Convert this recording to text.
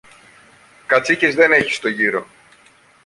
Κατσίκες δεν έχει στο γύρο!